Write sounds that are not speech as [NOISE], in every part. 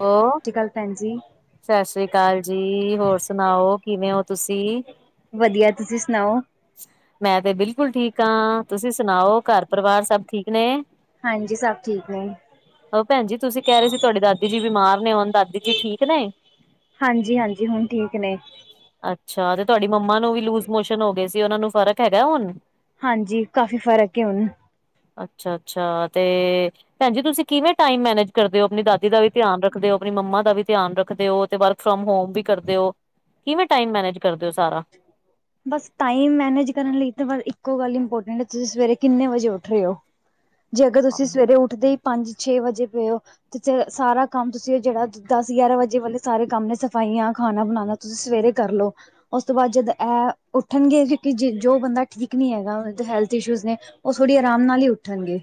ਓ ਸਤਿ ਸ੍ਰੀ ਅਕਾਲ ਭੈਣ ਜੀ। ਸਤਿ ਸ੍ਰੀ ਅਕਾਲ ਜੀ। ਹੋਰ ਸੁਣਾਓ। ਕਿਵੇਂ ਹੋ ਤੁਸੀਂ? ਵਧੀਆ। ਤੁਸੀਂ ਸੁਣਾਓ। ਮੈਂ ਤੇ ਬਿਲਕੁਲ ਠੀਕ ਹਾਂ। ਤੁਸੀਂ ਸੁਣਾਓ। ਘਰ ਪਰਿਵਾਰ ਸਭ ਠੀਕ ਨੇ। ਹਾਂਜੀ। ਸਭ ਠੀਕ ਨੇ। ਉਹ ਭੈਣਜੀ ਤੁਸੀਂ ਕਹਿ ਰਹੇ ਸੀ। ਤੁਹਾਡੀ ਦਾਦੀ ਜੀ ਬਿਮਾਰ ਨੇ। ਹੁਣ ਦਾਦੀ ਜੀ ਠੀਕ ਨੇ। ਹਾਂਜੀ-ਹਾਂਜੀ। ਹੁਣ ਠੀਕ ਨੇ। ਅੱਛਾ। ਤੇ ਤੁਹਾਡੀ ਮੰਮਾ ਨੂੰ ਵੀ ਲੂਜ ਮੋਸ਼ਨ ਹੋ ਗਏ ਸੀ। ਉਹਨਾ ਨੂੰ ਫ਼ਰਕ ਹੈਗਾ। ਹੁਣ ਹਾਂਜੀ। ਕਾਫ਼ੀ ਫਰਕ ਹੈ ਹੁਣ। ਅੱਛਾ-ਅੱਛਾ। ਤੇ ਭੈਣਜੀ। ਤੁਸੀਂ ਕਿਵੇਂ ਟਾਈਮ ਮੈਨੇਜ ਕਰਦੇ ਹੋ। ਆਪਣੀ ਦਾਦੀ ਦਾ ਵੀ ਧਿਆਨ ਰੱਖਦੇ ਹੋ। ਆਪਣੀ ਮੰਮਾ ਦਾ ਵੀ ਧਿਆਨ ਰੱਖਦੇ ਹੋ। ਤੇ ਵਰਕ ਫਰੋਮ ਹੋਮ ਵੀ ਕਰਦੇ ਓ ਕਿਵੇਂ ਟਾਈਮ ਮੈਨੇਜ ਕਰਦੇ ਓ ਸਾਰਾ? [INAUDIBLE] [UNINTELLIGIBLE] ਬਸ ਟਾਇਮ ਮੈਨੇਜ ਕਰਨ ਲਈ ਤ ਇੱਕੋ ਗੱਲ ਇੰਪੋਰਟੈਂਟ ਏ। ਤੁਸੀਂ ਸਵੇਰੇ ਕਿੰਨੇ ਵਜੇ ਉੱਠ ਰਹੇ ਓ? ਜੇ ਅਗਰ ਤੁਸੀਂ ਸਵੇਰੇ ਉੱਠਦੇ ਈ ਪੰਜ -ਛੇ ਵਜੇ ਪਏ ਓ ਚੇ ਸਾਰਾ ਕੰਮ ਤੁਸੀਂ ਜਿਹੜਾ। ਦਸ- ਗਿਆਰਾਂ ਵਜੇ ਵਾਲੇ ਸਾਰੇ ਕੰਮ ਨੇ ਸਫਾਈਆਂ, ਖਾਣਾ ਬਣਾਣਾ ਸਵੇਰੇ ਕਰਲਓ ਉਸ ਤੋਂ ਬਾਅਦ ਜਦ ਐ ਉੱਠਣਗੇ। ਕਿਉਂਕਿ ਜੇ ਜੋ ਬੰਦਾ ਠੀਕ ਨੀ ਹੈਗਾ ਓ ਹੈਲਥ ਇਸ਼ੂਜ ਨੇ ਓ ਥੋੜੀ ਆਰਾਮ ਨਾਲ ਈ ਉੱਠਣਗੇ।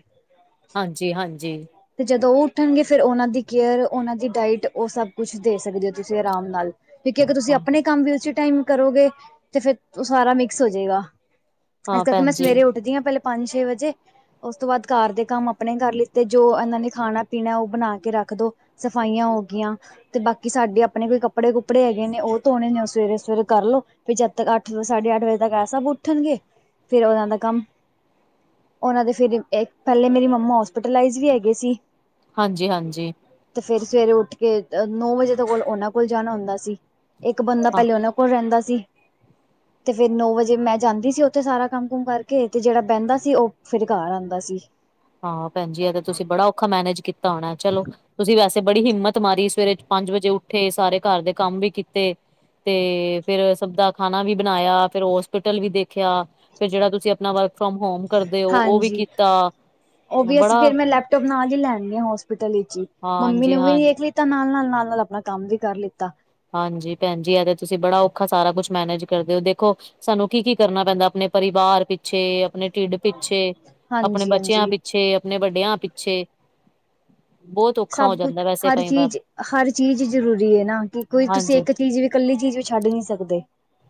ਹਾਂਜੀ-ਹਾਂਜੀ। ਤੇ ਜਦੋਂ ਓ ਉੱਠਣਗੇ। ਫਿਰ ਓਨਾਂ ਦੀ ਕੇਅਰ। ਓਨਾਂ ਦੀ ਡਾਇਟ ਓ ਸਭ ਕੁਛ ਦੇ ਸਕਦੇ ਓ ਤੁਸੀਂ ਆਰਾਮ ਨਾਲ ਕਿਉਂਕਿ ਅਗਰ ਤੁਸੀਂ ਹਾਂ ਆਪਣੇ ਕੰਮ ਵੀ ਉਸੇ ਟਾਈਮ ਕਰੋਗੇ। ਤੇ ਫੇਰ ਓ ਸਾਰਾ ਮਿਕਸ ਹੋ ਜੇਗਾ। ਹਾਂ ਇਸ ਕਰਕੇ ਭੈਣ ਮੈਂ ਜੀ ਸਵੇਰੇ ਉੱਠਦੀ ਆ। ਪੈਲੇ ਪੰਜ -ਛੇ ਵਜੇ ਓਸ ਤੋਂ ਬਾਦ। ਘਰ ਦੇ ਕੰਮ ਆਪਣੇ ਕਰ ਲਿੱਤੇ ਜੋ ਐਨਾਂ ਨੇ ਖਾਣਾ -ਪੀਣਾ ਓ ਬਣਾ ਕੇ ਰੱਖ ਦੋ। ਸਫਾਈਆਂ ਹੋ ਗਈਆਂ ਤੇ ਬਾਕੀ ਸਾਡੇ ਆਪਣੇ ਕੋਈ ਕੱਪੜੇ -ਕੁਪੜੇ ਹੈਗੇ ਨੇ। ਓ ਧੋਣੇ ਨੇ ਸਵੇਰੇ -ਸਵੇਰੇ ਕਰ ਲੋ ਭੀ ਜਦ ਤੱਕ ਅੱਠ -ਸਾਢੇ ਅੱਠ ਵਜੇ ਤੱਕ ਐ ਸਭ ਉੱਠਣਗੇ। ਫੇਰ ਓਨਾ ਦਾ ਕੰਮ ਉਹਨਾਂ ਦੇ ਫਿਰ ਏ ਪੈਲੇ ਮੇਰੀ ਮੰਮਾ ਹੋਸਪੀਟਲਾਈਜ਼ ਵੀ ਹੈਗੇ ਸੀ। ਹਾਂਜੀ- ਹਾਂਜੀ। ਤੇ ਫੇਰ ਸਵੇਰੇ ਉੱਠ ਕੇ। ਨੌ ਵਜੇ ਤੋਂ ਕੋਲ ਓਨਾਂ ਕੋਲ ਜਾਣਾ ਹੁੰਦਾ ਸੀ। ਇਕ ਬੰਦਾ ਪੈਲੇ ਓਨਾਂ ਕੋਲ ਰੈਂਦਾ ਸੀ। ਤੇ ਫੇਰ ਨੌ ਵਜੇ ਮੈਂ ਜਾਂਦੀ ਸੀ। ਓਥੇ ਸਾਰਾ ਕੰਮ -ਕੁਮ ਕਰਕੇ। ਤੇ ਜੇੜਾ ਬੈਦਾ ਸੀ। ਓ ਫਿਰ ਘਰ ਆਦਾ ਸੀ। ਹਾਂ ਭੈਜੀ। ਐ ਤੇ ਤੁਸੀਂ ਬੜਾ ਔਖਾ ਮੈਨੇਜ ਕੀਤਾ ਹੋਣਾ। ਚਲੋ ਤੁਸੀਂ ਵੈਸੇ ਤੇ ਬੜੀ ਹਿੰਮਤ ਮਾਰੀ। ਸਵੇਰੇ ਪੰਜ ਵਜੇ ਉੱਠੇ। ਸਾਰੇ ਘਰ ਦੇ ਕੰਮ ਵੀ ਕੀਤੇ ਤੇ ਫੇਰ ਸਭ ਦਾ ਖਾਣਾ ਵੀ ਬਣਾਇਆ। ਫੇਰ ਹੋਸਪਿਟਲ ਵੀ ਦੇਖਿਆ। ਫਿਰ ਜਿਹੜਾ ਤੁਸੀਂ ਆਪਣਾ ਵਰਕ ਫਰੋਮ ਹੋਮ ਕਰਦੇ ਹੋ ਓ ਵੀ ਕੀਤਾ ਓ ਵੀ ਅਸੀਂ ਬੜਾ ਫੇਰ ਮੈਂ ਲੈਪਟੋਪ ਨਾਲ ਹੀ ਲੈਣ ਅਨੀ ਹੋਸਪਿਟਲ ਵਿੱਚ ਹੀ, ਮੰਮੀ ਹਾਂਜੀ ਨੂੰ ਵੀ ਹਾਂ ਦੇਖ ਲ ਤਾਂ ਨਾਲ -ਨਾਲ -ਨਾਲ- ਨਾਲ ਆਪਣਾ ਕੰਮ ਵੀ ਕਰ ਲਿੱਤਾ। ਹਾਂਜੀ ਭੈਣਜੀ ਐ ਤੇ ਤੁਸੀਂ ਬੜਾ ਔਖਾ ਸਾਰਾ ਕੁਛ ਮੈਨੇਜ ਕਰਦੇ ਹੋ ਦੇਖੋ ਸਾਨੂੰ ਕੀ ਕੀ ਕਰਨਾ ਪੈਂਦਾ ਆਪਣੇ ਪਰਿਵਾਰ ਪਿੱਛੇ, ਆਪਣੇ ਢਿੱਡ ਪਿੱਛੇ, ਆਪਣੇ ਹਾਂਜੀ ਬੱਚਿਆਂ ਹਾਂਜੀ। ਪਿੱਛੇ, ਆਪਣੇ ਵੱਡਿਆਂ ਪਿੱਛੇ ਬੌਤ ਔਖਾ ਹੋ ਸਭ ਕੁਛ ਜਾਂਦਾ ਵੈਸੇ ਹਰ ਕਈ ਵਾਰ। ਚੀਜ਼ ਹਰ ਚੀਜ਼ ਜਰੂਰੀ ਐ ਨਾ, ਕਿ ਕੋਈ ਹਾਂਜੀ ਤੁਸੀਂ ਇੱਕ ਚੀਜ਼ ਵੀ ਕੱਲੀ ਚੀਜ਼ ਵੀ ਛੱਡ ਨੀ ਸਕਦੇ।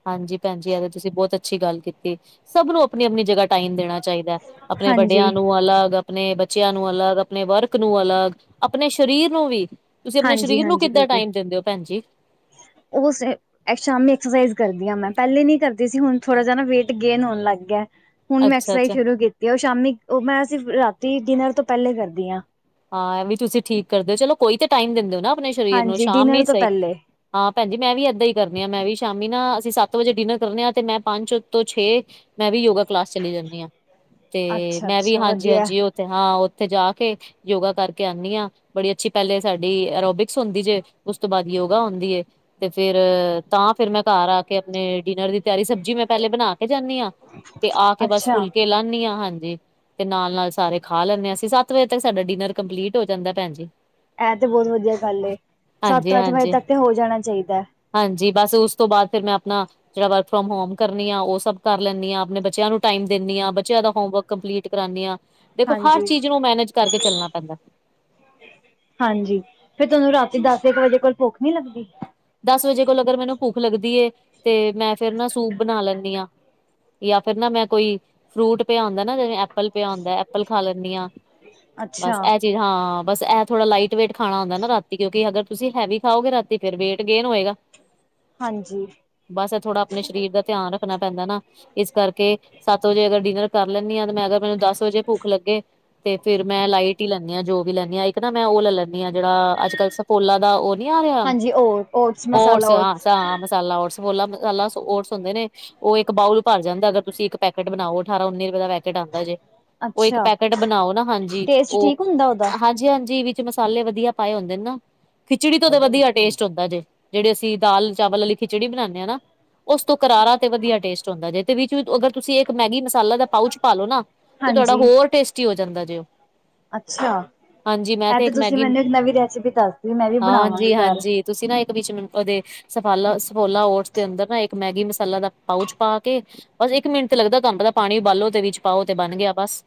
ਹਾਂਜੀ ਭੈਣਜੀ, ਏ ਤਾਂ ਤੁਸੀਂ ਬਹੁਤ ਅੱਛੀ ਗੱਲ ਕੀਤੀ, ਸਭ ਨੂੰ ਆਪਣੀ ਆਪਣੀ ਜਗਾ ਟਾਈਮ ਦੇਣਾ ਚਾਈਦਾ, ਆਪਣੇ ਹਾਂਜੀ ਵੱਡਿਆਂ ਨੂੰ ਅਲੱਗ ਆਪਣੇ ਬੱਚਿਆਂ ਨੂੰ ਅਲੱਗ, ਆਪਣੇ ਵਰਕ ਨੂੰ ਅਲੱਗ, ਆਪਣੇ ਛਾਰੀਰ ਨੂੰ ਵੀ ਤੁਸੀਂ ਆਪਣੇ ਹਾਂਜੀ ਸਰੀਰ ਨੂੰ ਕਿੱਦਾਂ ਟਾਈਮ ਦਿੰਦੇ ਓ, ਭੈਣ ਜੀ। ਓਸ ਇਕ ਸ਼ਾਮੀ ਐਕਸਰਸਾਈਜ਼ ਕਰਦੀ ਆ ਮੈਂ, ਪੈਲੇ ਨੀ ਕਰਦੀ ਸੀ ਹੁਣ ਥੋੜਾ ਜਿਆ ਨਾ ਵੇਟ ਗੇਨ ਹੋਣ ਲੱਗ ਗਿਆ। ਹੁਣ ਮੈਂ ਅੱਛਾ ਐਕਸਰਸਾਈਜ਼ ਅੱਛਾ ਸ਼ੁਰੂ ਕੀਤੀ ਆ ਓ ਸ਼ਾਮੀ ਓ ਮੈਂ ਸਿਰਫ ਰਾਤੀ ਡਿਨਰ ਤੋਂ ਪੈਲੇ ਕਰਦੀ ਆਂ। ਹਾਂ, ਏਵੀ ਤੁਸੀਂ ਠੀਕ ਕਰਦੇ ਓ ਚਲੋ ਕੋਈ ਤੇ ਟਾਈਮ ਦਿੰਦੇ ਹੋ ਨਾ ਆਪਣੇ ਸਰੀਰ ਨੂੰ, ਹਾਂਜੀ ਸ਼ਾਮ ਡਿਨਰ ਈ ਤੋਂ ਸਈ ਪਹਿਲੇ ਹਾਂ ਭੈਣਜੀ, ਮੈਂ ਵੀ ਏਦਾਂ ਈ ਕਰਨੀ ਆ ਮੈਂ ਵੀ ਸ਼ਾਮੀ ਨਾ ਅਸੀਂ ਸੱਤ ਵਜੇ ਡਿਨਰ ਕਰਨੇ ਆ ਤੇ ਮੈਂ ਪੰਜ ਤੋਂ ਛੇ ਮੈਂ ਵੀ ਯੋਗਾ ਕਲਾਸ ਚਲੀ ਜਾਂਦੀ ਆ, ਤੇ ਅੱਛਾ ਮੈਂ ਵੀ ਅੱਛਾ ਹਾਂਜੀ- ਵਧੀਆ ਹਾਂਜੀ ਓਥੇ ਹਾਂ ਓਥੇ ਜਾ ਕੇ ਯੋਗਾ ਕਰਕੇ ਆਨੀ ਆ ਬੜੀ ਅੱਛੀ ਪੈਲੇ ਸਾਡੀ ਅਰੋਬਿਕਸ ਹੁੰਦੀ ਜੇ ਓਸ ਤੋਂ ਬਾਦ ਯੋਗਾ ਹੁੰਦੀ ਏ ਤੇ ਫੇਰ ਤਾਂ ਫਿਰ ਮੈਂ ਘਰ ਆ ਕੇ ਆਪਣੇ ਡਿਨਰ ਦੀ ਤਿਆਰੀ ਸਬਜ਼ੀ ਮੈਂ ਪੈਲੇ ਬਣਾ ਕੇ ਜਾਂਦੀ ਆ ਤੇ ਆ ਕੇ ਬਸ ਅੱਛਾ ਫੁਲਕੇ ਲਾਣੀ ਆ, ਹਾਂਜੀ। ਤੇ ਨਾਲ -ਨਾਲ ਸਾਰੇ ਖਾ ਲੈਂਦੇ ਆ ਅਸੀਂ, ਸੱਤ ਵਜੇ ਤੱਕ ਸਾਡਾ ਡਿਨਰ ਕੰਪਲੀਟ ਹੋ ਜਾਂਦਾ ਭੈਣ ਜੀ। ਐ ਤੇ ਬੌਤ ਵਧੀਆ ਗੱਲ ਏ, ਸੱਤ ਅੱਠ ਵਜੇ ਹਾਂਜੀ-ਹਾਂਜੀ ਤੱਕ ਤੇ ਹੋ ਜਾਣਾ ਚਾਈਦਾ। ਹਾਂਜੀ। ਬਸ ਓਸ ਤੋਂ ਬਾਦ ਫੇਰ ਮੈਂ ਆਪਣਾ ਜਿਹੜਾ ਵਰਕ ਫਰੋਮ ਹੋਮ ਕਰਨੀ ਆ, ਉਹ ਸਭ ਕਰ ਲੈਂਦੀ ਆ, ਆਪਣੇ ਬੱਚਿਆਂ ਨੂੰ ਟਾਈਮ ਦੇਣੀ ਆ, ਬੱਚਿਆਂ ਦਾ ਹੋਮ ਵਰਕ ਕੰਪਲੀਟ ਕਰਾਨੀ ਆ, ਦੇਖੋ ਹਰ ਹਾਂਜੀ ਚੀਜ਼ ਨੂੰ ਮੈਨੇਜ ਕਰਕੇ ਚੱਲਣਾ ਪੈਂਦਾ ਹਾਂਜੀ, ਫੇਰ ਤਹਾਨੂੰ ਰਾਤੀ ਦਸ ਇੱਕ ਵਜੇ ਕੋਲ ਭੁਖ ਨੀ ਲੱਗਦੀ। ਦਸ ਵਜੇ ਕੋਲ ਅਗਰ ਮੈਨੂੰ ਭਖ ਲੱਗਦੀ ਏ ਤੇ ਮੈਂ ਫੇਰ ਨਾ ਸੂਪ ਬਣਾ ਲੈਂਨੀ ਆ। ਯਾ ਫਿਰ ਨਾ ਮੈਂ ਕੋਈ ਫਰੂਟ ਪਿਆ ਹੁੰਦਾ ਨਾ ਜਿਵੇਂ ਐਪਲ ਪਿਆ ਹੁੰਦਾ, ਐਪਲ ਖਾ ਲੈਂਨੀ ਆਂ ਅੱਛਾ ਬਸ ਹਾਂ, ਬਸ ਇਹ ਥੋੜਾ ਲਾਈਟ ਵੇਟ ਖਾਣਾ ਹੂੰਦਾ ਨਾ ਰਾਤੀ ਕਿਉਂਕਿ ਅਗਰ ਤੁਸੀਂ ਹੈਵੀ ਖਾਓਗੇ ਰਾਤੀ ਫੇਰ ਵੇਟ ਗੇਨ ਹੋਏਗਾ, ਹਾਂਜੀ ਬਸ ਇਹ ਥੋੜਾ ਆਪਣੇ ਸਰੀਰ ਦਾ ਤਿਆਨ ਰੱਖਣਾ ਪੈਂਦਾ ਨਾ। ਇਸ ਕਰਕੇ, ਸੱਤ ਵਜੇ ਅਗਰ ਡਿਨਰ ਕਰ ਲੈਂਨੀ ਆ ਤੇ ਮੈਂ ਅਗਰ ਮੈਨੂੰ ਦਸ ਵਜੇ ਭੁਖ ਲੱਗੇ ਤੇ ਫੇਰ ਮੈਂ ਲਾਈਟ ਈ ਲੈਂਨੀ ਆ ਜੋ ਵੀ ਲੈਂਣੀ ਆ ਇੱਕ ਨਾ ਮੈਂ ਉਹ ਲੈ ਲੈਂਦੀ ਆ ਜਿਹੜਾ ਅੱਜ ਕੱਲ ਸਫੋਲਾ ਦਾ ਨੀ ਆ ਰਿਹਾ ਹਾਂਜੀ ਓਰ ਓਟਸ ਹਾਂ ਹ ਮਸਾਲਾ ਓਟਸ ਬੋ ਮਸਾਲਾ ਓਟਸ ਹੁੰਦੇ ਨੇ ਉਹ ਇੱਕ ਬਾਊਲ ਭਰ ਜਾਂਦਾ ਅਗਰ ਤੁਸੀਂ ਇੱਕ ਪੈਕਟ ਬਣਾਓ, ਅਠਾਰਾਂ ਉੱਨੀ ਰੁਪਏ ਦਾ ਪੈਕਟ ਆਂਦਾ ਜੇ। ਉਹ ਇੱਕ ਅੱਛਾ ਪੈਕੇਟ ਬਣਾਓ ਨਾ ਹਾਂਜੀ, ਟੇਸਟ ਉਹ ਠੀਕ ਹੁੰਦਾ ਉਹਦਾ ਹਾਂਜੀ ਹਾਂਜੀ ਓ ਚ ਮਸਾਲੇ ਵਧੀਆ ਪਾਏ ਹੁੰਦੇ ਨੇ ਨਾ, ਖਿਚੜੀ ਤੋਂ ਤਾਂ ਵਧੀਆ ਟੇਸਟ ਜੇ ਜੈਹੜੇ ਅਸੀਂ ਦਾਲ ਚਾਵਲ ਆਲੀ ਖਿਚੜੀ ਬਨਾਨੇ ਆ ਨਾ, ਉਸ ਤੋਂ ਕਰਾਰਾ ਤੇ ਵਧੀਆ ਟੇਸਟ ਹੁੰਦਾ ਜੇ। ਤੇ ਵਿੱਚ -ਵਿੱਚ ਅਗਰ ਤੁਸੀਂ ਇੱਕ ਮੈਗੀ ਮਸਾਲਾ ਦਾ ਪਾਊਚ ਪਾਲੋ ਨਾ ਤੇ, ਤੁਆਡਾ ਹਾਂਜੀ ਹੋਰ ਟੇਸਟੀ ਹੋ ਜਾਂਦਾ ਜੇ। ਅੱਛਾ! ਹਾਂਜੀ ਮੈਂ ਐ ਤੇ ਇੱਕ ਤੁਸੀਂ ਮੈਗੀ ਮੈਨੂੰ ਇੱਕ ਨਵੀਂ ਰੈਸਪੀ ਦੱਸਤੀ, ਮੈਂ ਵੀ ਬਣਾਵਾਂਗੀ ਘਰ। ਹਾਂਜੀ-ਹਾਂਜੀ ਤੁਸੀਂ ਨਾ ਇੱਕ ਵਿੱਚ ਓਦੇ ਸਫਾਲਾ ਸਫੋਲਾ ਓਟਸ ਦੇ ਅੰਦਰ ਨਾ ਇੱਕ ਮੈਗੀ ਮਸਾਲਾ ਦਾ ਪਾਊਚ ਪਾ ਕੇ ਬਸ ਏਕ ਮਿੰਟ ਤੇ ਲੱਗਦਾ ਤਾੰਨ ਪਤਾ ਪਾਨੀ ੳਬਾਲੋ ਤੇ ਵਿੱਚ ਪਾਓ ਤੇ ਬਨ ਗਿਆ ਬਸ।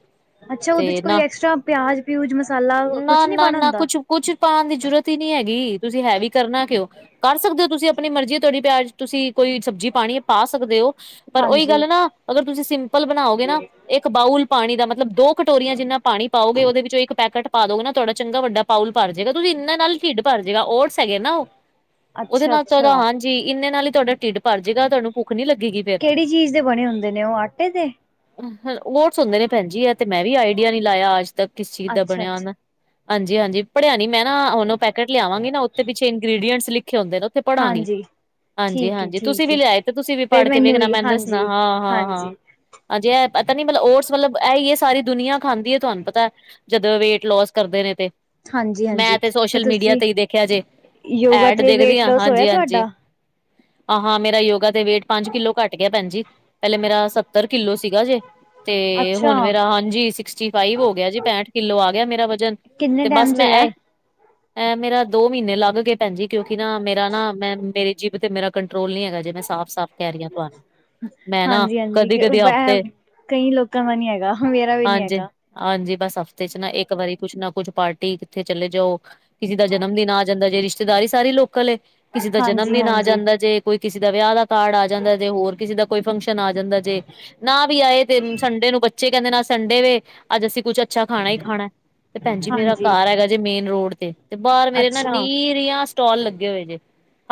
ਅੱਛਾ ਉਦੇ ਚ ਤੇ ਨਾ ਕੋਈ ਐਕਸਟਰਾ ਪਿਆਜ-ਪਿਯੁਜ, ਮਸਾਲਾ ਕੁਛ ਨੀ ਪਾਨਾ ਹੁੰਦਾ। ਕੁੱਛ ਪਾਨ ਦੀ ਜ਼ਰੂਰਤ ਈ ਨੀ ਹੈਗੀ ਤੁਸੀਂ ਹੈਵੀ ਕਰਨਾ ਕਿਉ ਕਰ ਸਕਦੇ ਓ ਤੁਸੀਂ ਆਪਨੀ ਮਰਜ਼ੀ ਤੁਆਡੀ ਪਿਆ ਤੁਸੀਂ ਕੋਈ ਸਬਜ਼ੀ ਪਾਣੀ ਏ ਪਾ ਸਕਦੇ ਓ ਪਰ ਓਈ ਗੱਲ ਹਾਂਜੀ, ਏ ਨਾ ਅਗਰ ਤੁਸੀਂ ਸਿੰਪਲ ਬਨਾਓਗੇ ਨਾ ਏਕ ਬਾਊਲ ਪਾਨੀ ਦਾ ਮਤਲਬ ਦੋ ਕਟੋਰੀਆਂ ਜਿੰਨਾ ਪਾਨੀ ਪਾਓਗੇ ਉਹਦੇ ਵਿੱਚੋਂ ਇੱਕ ਪੈਕਟ ਪਾ ਦੋ ਗੇ ਨਾ ਤੁਆਡਾ ਚੰਗਾ ਵੱਡਾ ਬਾਊਲ ਭਰ ਜੇਗਾ ਤੁਸੀਂ ਇਹਨਾਂ ਨਾਲ ਢਿੱਡ ਭਰ ਜੇਗਾ ਓਟਸ ਹੈਗੇ ਨਾ ਉਦੇ ਨਾਲ ਤਾਂ ਓਦਾ ਅੱਛਾ-ਅੱਛਾ। ਹਾਂ ਜੀ ਇਨੇ ਨਾਲ ਈ ਤੁਆਡਾ ਤਿਡ ਪਰ ਜੇਗਾ ਤਾਨੂੰ ਪੁੱਖ ਨੀ ਲੱਗੇਗੀ। ਫੇਰ ਕੇੜੀ ਚੀਜ਼ ਦੇ ਬਨੇ ਹੁੰਦੇ ਨੇ ਉ, ਆਟੇ ਦੇ? ਹ ਓਟਸ ਹੁੰਦੇ ਨੇ ਪੈਨਜੀ ਏ ਤੇ ਮੈਂ ਵੀ ਆਈਡੀਆ ਨੀ ਲਾਇਆ ਅੱਜ ਤੱਕ ਕਿਸ ਚੀਜ਼ ਦਾ ਬਨਿਆ ਅੱਛਾ-ਅੱਛਾ, ਹੋਨਾ। ਹਾਂਜੀ-ਹਾਂਜੀ ਪੜ੍ਹੇੈਆ ਨੀ ਮੈਂ ਨਾ ਹੁੰਨ ੳ ਪੈਕਟ ਲਿਆਵਾਂਗੀ ਨਾ ਉੱਥੇ ਪਿੱਛੇ ਇੰਗ੍ਰਡੀਅਂਟਸ ਲਿਖੇ ਹੁੰਦੇ ਨੇ ਉੱਥੇ ਪੜਾਂਗੀ। ਹਾਂਜੀ। ਠੀਕ ਏ ਹਾਂਜੀ-ਹਾਂਜੀ ਤੁਸੀਂ ਠੀਕ ਵੀ ਏ ਲਿਆਏ ਤੇ ਤੁਸੀਂ ਵੀ ਫੇਰ ਪੜ੍ਹ ਕੇ ਵੇਖਨਾ ਵੀ ਮੈਨੂੰ ਦੱਸਨਾ ਹਾਂਜੀ, ਹਾਂ-ਹਾਂ, ਹਾਂ। ਹਾਂਜੀ। ਹਾਂਜੀੇ ਏ ਪਤਾ ਨੀ ਮਲਬ ਓਟਸ ਮਲਬ ਏ ਈ ਏ ਸਾਰੀ ਦੁਨੀਆਂ ਖਾਂਦੀ ਏ ਤਾਨੂੰ ਪਤਾ ਜਦ ਵੇਟ ਲੋਸ ਕਰਦੇ ਨੇ ਤੇ ਮੈਂ ਹਾਂਜੀ-ਹਾਂਜੀ ਤੇ ਸੋਸ਼ਲ ਮੀਡੀਆ ਤੁਸੀਂ ਤੇ ਈ ਦੇਖਿਆ ਜੇ। ਯੋਗਾ ਐਡ ਤੇ ਦੇਖਦੇ ਵੇਟ ਆ ਲੋਸ ਹੋਇਆ ਹਾਂਜੀ-ਹਾਂਜੀ। ਤੁਹਾਡਾ? ਆ ਹਾਂ ਮੇਰਾ ਯੋਗਾ ਦੇ ਵੇਟ ਪੰਜ ਕਿੱਲੋ ਕੱਟ ਗਿਆ ਪੈਣ ਜੀ। ਪੈਲੇ ਮੇਰਾ ਸੱਤਰ ਕਿੱਲੋ ਸੀਗਾ ਜੇ। ਤੇ ਅੱਛਾ। ਹੁਨ ਮੇਰਾ ਹਾਂਜੀ ਸਿਕਸਟੀ ਫਾਈਵ ਹੋ ਗਿਆ ਜੇ ਪੈਂਹਠ ਕਿੱਲੋ ਆ ਗਿਆ ਮੇਰਾ ਵਜਨ। ਕਿੰਨੇ ਤੇ ਟਾਈਮ ਬਸ ਚ ਮੈਂ ਹੋਇਆ? ਏ ਮੇਰਾ ਦੋ ਮੀਨੇ ਲਾ ਗੇ ਪੈਨਜੀ ਕਿਉਂਕਿ ਨਾ ਮੇਰਾ ਨਾ ਮੈਂ ਮੇਰੀ ਜਿਬ ਤੇ ਮੇਰਾ ਕੰਟਰੋਲ ਨੀ ਹੈਗਾ ਜੇ ਮੈਂ ਸਾਫ਼-ਸਾਫ਼ ਕੈ ਰੀ ਆ ਤੁਆਨੂੰ। ਹਾਂਜੀ-ਹਾਂਜੀ ਕਿ ਉ ਬੇ ਕਈ ਲੋਕਾਂ ਦਾ ਨੀ ਹੈਗਾ ਮੇਰਾ ਵੀ ਨੀ ਹਾਂਜੀ, ਹੈਗਾ। ਹਾਂਜੀ ਬਸ ਹਫ਼ਤੇ ਚ ਨਾ ਏਕ ਵਾਰੀ ਕੁਛ ਨਾ ਕੁਛ ਪਾਰਟੀ ਕਿੱਥੇ ਚਲੇ ਜਾਓ ਕਿਸੀ ਦਾ ਜਨਮ ਦਿਨ ਆ ਜਾਂਦਾ ਜੇ ਰਿਸ਼ਤੇਦਾਰੀ ਸਾਰੀ ਲੋਕਲ ਏ ਕਿਸੀ ਦਾ ਜਨਮ ਹਾਂਜੀ ਦਿਨ ਆ ਹਾਂਜੀ ਜਾਂਦਾ ਜੇ ਕੋਈ ਕਿਸੇ ਦਾ ਵਿਆ ਦਾ ਕਾਰਡ ਆ ਜਾਂਦਾ ਜੇ ਹੋਰ ਕਿਸੀ ਦਾ ਕੋਈ ਫੰਕਸ਼ਨ ਆ ਜਾਂਦਾ ਜੇ ਨਾ ਵੀ ਆਏ ਤੇ ਸੰਡੇ ਨੂੰ ਬੱਚੇ ਕਹੰਦੇ ਨੇ ਸੰਡੇ ਵੇ ਅੱਜ ਅਸੀਂ ਕੁੱਛ ਅੱਛਾ ਖਾਨਾ ਈ ਖਾਨਾ ਤੇ ਪੈਨਜੀ ਮੇਰਾ ਹਾਂਜੀ ਕਾਰ ਹੈਗਾ ਜੇ ਮੇਨ ਰੋਡ ਤੇ, ਤੇ ਬਾਰ ਮੇਰੇ ਨਾ ਅੱਛਾ ਨੀਰੀਆਂ ਸਟੋਲ ਲੱਗੇ ਹੋਏ ਜੇ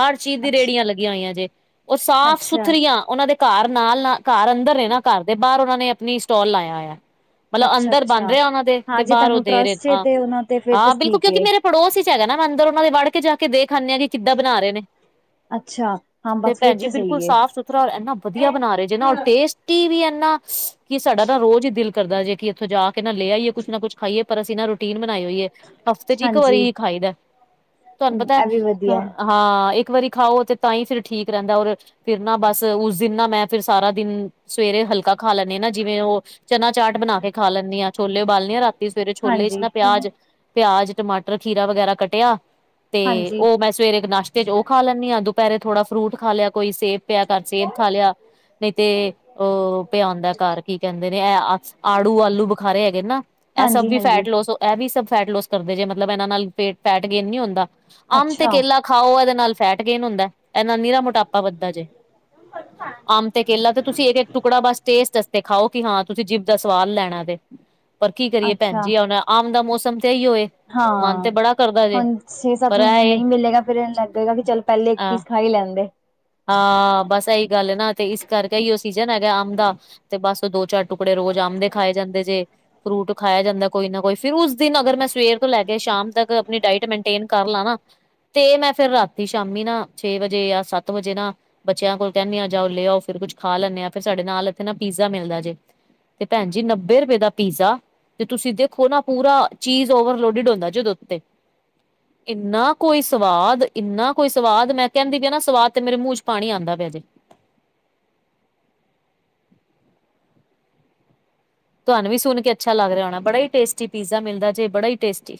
ਹਰ ਚੀਜ਼ ਦੀ ਅੱਛਾ ਰੇੜੀਆਂ ਲੱਗੀਆਂ ਹੋਈਆਂ ਜੇ। ਉ ਸਾਫ ਅੱਛਾ ਸੁਥਰੀਆਂ ਉਨਾਂ ਦੇ ਕਾਰ ਨਾਲ ਨਾ ਕਾਰ ਅੰਦਰ ਨੇ ਨਾ ਕਾਰ ਦੇ ਬਾਰ ਓਨਾਂ ਨੇ ਅਪਣੀ ਸਟੋਲ ਲਾਇਆ ਹੋਇਆ। ਮਲਬ ਅੱਛਾ ਅੰਦਰ ਬਨ ਅੱਛਾ ਰਿਆ ਉਨਾਂ ਦੇ ਤੇ ਹਾਂ ਜੇ ਬਾਰ ਉਹ ਤੁਹਾਨੂੰ ਦੇ ਰਹੇ ਨੇ ਟਰਸਟ ਏ ਹਾਂ ਤੇ ਉਹਨਾਂ ਤੇ ਫਿਰ ਤਾਂ ਹਾਂ ਬਿਲਕੁਲ ਠੀਕ ਕਿਉਂਕਿ ਏ ਮੇਰੇ ਪੜੋਸ ਇਚ ਹੈਗਾ ਨਾ ਮੈਂ ਅੰਦਰ ਉਹਨਾਂ ਦੇ ਵੜ ਕੇ ਜਾ ਕੇ ਦੇਖ ਆਨੇ ਆ ਕਿ ਕਿੱਦਾਂ ਬਨਾ ਰੇ ਨੇ। ਅੱਛਾ ਹਾਂ ਤੇ ਬਸ ਫਿਰ ਭੈਣ ਜੀ ਤਾਂ ਬਿਲਕੁਲ ਸਹੀ ਏ ਸਾਫ਼ ਸੁਥਰਾ ਹੋਰ ਏਨਾ ਵਧੀਆ ਬਨਾ ਰਹੇ ਜੇ ਨਾ ਹੋਰ ਟੇਸਟ ਟੀ ਵੀ ਇਨਾ ਕਿ ਸਾਡਾ ਨਾ ਰੋਜ਼ ਹੀ ਦਿਲ ਕਰਦਾ ਜੇ ਕਿ ਇੱਥੋਂ ਜਾ ਕੇ ਨਾ ਲੇ ਆਈਏ ਕੁੱਛ ਨਾ ਕੁਛ। ਖਾਈਏ ਪਰ ਅਸੀਂ ਨਾ ਰੂਟੀਨ ਬਨਾਈ ਹੋਈ ਏ ਹਫ਼ਤੇ ਚ ਇੱਕ ਹਾਂਜੀ ਵਾਰੀ ਖਾਈਦਾ। ਤੁਹਾਨੂੰ ਪਤਾ ਇਹ ਵੀ ਵਧੀਆ ਹਾਂ ਇੱਕ ਵਾਰੀ ਖਾਓ ਤੇ ਤਾਂ ਹੀ ਫਿਰ ਠੀਕ ਰਹਿੰਦਾ ਔਰ ਫਿਰ ਨਾ ਬਸ ਉਸ ਦਿਨ ਨਾ ਮੈਂ ਫਿਰ ਸਾਰਾ ਦਿਨ ਸਵੇਰੇ ਹਲਕਾ ਖਾ ਲੈਨੀ ਆ ਨਾ ਜਿਵੇਂ ਓ ਚਨਾ ਚਾਟ ਬਣਾ ਕੇ ਖਾ ਲੈਨੀ ਆ ਛੋਲੇ ਉਬਾਲਨੀ ਰਾ ਸਵੇਰੇ ਛੋਲੇ ਚ ਹਾਂਜੀ ਨਾ ਪਿਆਜ-ਪਿਆਜ, ਟਮਾਟਰ, ਖੀਰਾ ਵਗੈਰਾ ਕੱਟਿਆ ਤੇ ਹਾਂਜੀ ਉਹ ਮੈਂ ਸਵੇਰੇ ਇੱਕ ਨਾਸ਼ਤੇ ਚ ਉਹ ਖਾ ਲੈਨੀ ਆ ਦੁਪਹਿਰੇ ਥੋੜਾ ਫਰੂਟ ਖਾ ਲਿਆ ਕੋਈ ਸੇਬ ਪਿਆ ਤਾਂ ਸੇਬ ਖਾ ਲਿਆ। ਨੀ ਤੇ ਉਹ ਪਿਆ ਹੁੰਦਾ ਕਾਰ ਕੀ ਕਹਿੰਦੇ ਨੇ ਆੜੂ, ਆਲੂ ਬਖਾਰੇ ਹੈਗੇ ਨਾ। ਐ ਸਭ ਹਾਂਜੀ ਵੀ ਹਾਂਜੀ ਫੈਟ ਲੋਸ ਐ ਵੀ ਸਭ ਫੈਟ ਲੋਸ ਕਰਦੇ ਜੇ ਮਤਲਬ ਐਨਾਂ ਨਾਲ ਫੈਟ ਗੇਨ ਨੀ ਹੁੰਦਾ। ਅੰਬ ਤੇ ਅੱਛਾ ਕੇਲਾ ਖਾਓ ਏਦੇ ਨਾਲ ਫੈਟ ਗੇਨ ਹੁੰਦੈ ਏਦੇ ਨਾਲ ਨੀਰਾ ਮੋਟਾਪਾ ਵੱਦਦਾ ਜੇ। ਆਮ ਤੇ ਕੇਲਾ ਤੇ ਤੁਸੀਂ ਏਕ-ਏਕ ਟੁਕੜਾ ਬਸ ਟੇਸਟ ਤੇ ਖਾਓ ਕਿ ਹਾਂ ਤੁਸੀਂ ਜੀਬ ਦਾ ਸਵਾਦ ਲੈਨਾ ਏ ਤੇ, ਪਰ ਕੀ ਕਰੀਏ ਭੈਣ ਅੱਛਾ ਜੀ ਹੁਨ ਆਮ ਦਾ ਮੌਸਮ ਤੇ ਐਇਊ ਏ। ਮਨ ਹਾਂ। ਤੇ ਬੜਾ ਕਰਦਾ ਜੇ ਹੁਨ ਛੇ ਸੱਤ ਪਰ ਮੀਨੇ ਇਹ ਨਈ ਮਿਲੇਗਾ ਫੇਰ ਐਂਜ ਲਗੇਗਾ ਕਿ ਚੱਲ ਪੈਲੇ ਇੱਕ ਅ ਪੀਸ ਖਾ ਈ ਲੈਂਦੇ। ਹਾਂ ਬਸ ਐਈ ਗੱਲ ਐ ਨਾ ਤੇ ਇਸ ਕਰਕੇ ਏਇਓ ਸੀਜਨ ਹੈਗਾ, ਅੰਬ ਦਾ ਤੇ ਬਸ ਉ ਦੋ ਚਾਰ ਟੁਕੜੇ ਰੋਜ਼ ਅੰੰਬ ਦੇ ਖਾਏ ਜਾਂਦੇ ਜੇ। ਫਰੂਟ ਖਾਇਆ ਜਾਂਦੈ ਕੋਈ ਨਾ ਕੋਈ ਫਿਰ ਉਸ ਦਿਨ ਅਗਰ ਮੈਂ ਸਵੇਰ ਤੋਂ ਲੈ ਕੇ ਸ਼ਾਮ ਤੱਕ ਆਪਨੀ ਡਾਇਟ ਮੈਂਟੇਨ ਕਰ ਲਾ ਨਾ ਤੇ ਮੈਂ ਫੇਰ ਰਾਤੀ ਸ਼ਾਮੀ ਨਾ ਛੇ ਵਜੇ ਯਾਂ ਸੱਤ ਵਜੇ ਨਾ ਬੱਚਿਆਂ ਕੋਲ ਕਹਨੀਆ ਜਾਓ ਲੈ ਆਓ ਫੇਰ ਕੁੱਝ ਖਾ ਲੈਂਨੇ ਆ ਫੇਰ ਸਾਡੇ ਨਾਲ ਏਥੇ ਨਾ ਪੀਜ਼ਾ ਮਿਲਦਾ ਜੇ ਤੇ ਭੈਣ ਜੀ ਨੱਬੇ ਰੁਪਏ ਦਾ ਪੀਜ਼ਾ ਤੇ ਤੁਸੀਂ ਦੇਖੋ ਨਾ ਪੂਰਾ ਚੀਜ਼ ਓਵਰਲੋਡਿਡ ਹੁੰਦਾ ਜੇ ਉਦੇ ਉੱਤੇ। ਇੰਨਾ ਕੋਈ ਸਵਾਦ ਇੰਨਾ ਕੋਈ ਸਵਾਦ ਮੈਂ ਕੈਂਦੀ ਪਈ ਆਨਾ ਸਵਾਦ ਤੇ ਮੇਰੇ ਮੂੰਹ ਚ ਪਾਣੀ ਆਂਦਾ ਪਿਆ ਜੇ। ਤੁਆਨੂੰ ਵੀ ਸੁਨ ਕੇ ਅੱਛਾ ਲੱਗ ਰਿਆ ਹੋਨਾ ਬੜਾ ਈ ਟੇਸਟੀ ਪੀਜ਼ਾ ਮਿਲਦਾ ਜੇ ਬੜਾ ਈ ਟੇਸਟੀ।